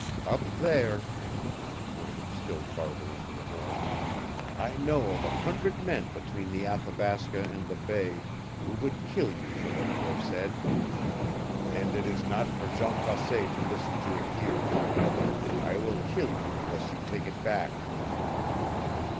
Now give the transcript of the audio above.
Up there " and he pointed still farther into the north "I know of a hundred men between the Athabasca and the bay who would kill you for what you have said. And it is not for Jean Croisset to listen to it here. I will kill you unless you take it back!"